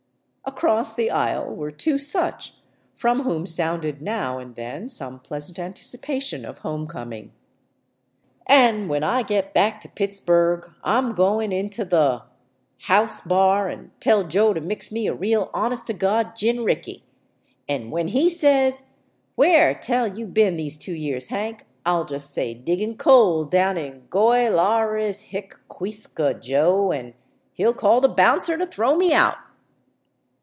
Across the aisle were two such, from whom sounded now and then some pleasant anticipation of homecoming: " An' when I get back to Pittsburgh I 'm goin' into the House bar and tell Joe to mix me a real, honest to God gin ricky. An' when he says 'Where t'ell you been these two years. Hank?' I'll jus' say ' Diggin' coal down in Goyllaris — hie — quisca, Joe,' an' he '11 call the bouncer to throw me out."